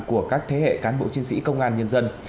của các thế hệ cán bộ chiến sĩ công an nhân dân